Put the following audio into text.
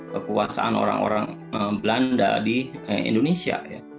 kekuasaan orang orang belanda di indonesia